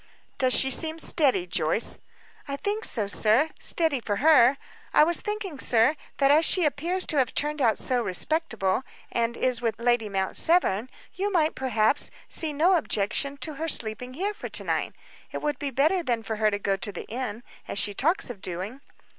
"Does she seem steady, Joyce?" "I think so, sir steady for her. I was thinking, sir, that as she appears to have turned out so respectable, and is with Lady Mount Severn, you, perhaps, might see no objection to her sleeping here for to night. It would be better than for her to go to the inn, as she talks of doing."